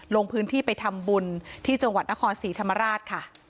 ลงพื้นที่ไปทำบุญที่จังหวัดนครศรีธรรมราชค่ะ